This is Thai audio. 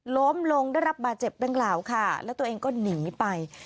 ล้มลงได้รับบาดเจ็บดังกล่าวค่ะแล้วตัวเองก็หนีไป